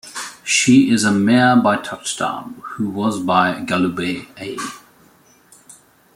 She is a mare by Touchdown who was by Galoubet A.